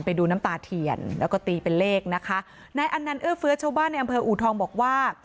ไปดูน้ำตาเทียนแล้วก็ตีเป็นเลขนะคะนายอันนันเอื้อเฟื้อชาวบ้านในอำเภออูทองบอกว่า